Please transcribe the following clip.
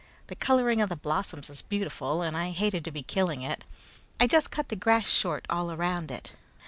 The coloring of the blossoms is beautiful, and I hated to be killing it. I just cut the grass short all around it.